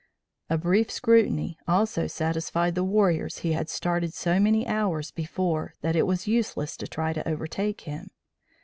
A brief scrutiny also satisfied the warriors he had started so many hours before, that it was useless to try to overtake him.